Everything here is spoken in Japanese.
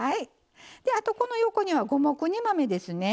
あとこの横には五目煮豆ですね。